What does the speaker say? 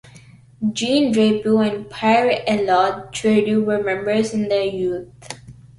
Jean Drapeau and Pierre Elliot Trudeau were members in their youth.